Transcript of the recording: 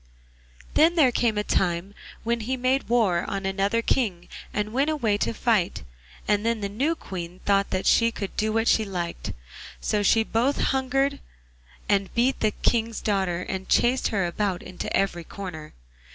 Then there came a time when he made war on another King and went away to fight, and then the new Queen thought that she could do what she liked; so she both hungered and beat the King's daughter and chased her about into every corner.